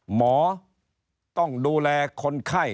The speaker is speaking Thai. หมอต้องดูแลคนไข้